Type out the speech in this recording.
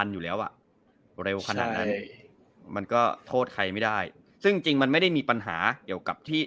อยู่แล้วอ่ะเร็วขนาดนั้นมันก็โทษใครไม่ได้ซึ่งจริงมันไม่ได้มีปัญหาเกี่ยวกับที่